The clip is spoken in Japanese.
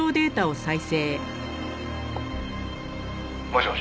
「もしもし？